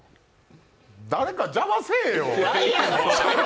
誰か邪魔せえよ。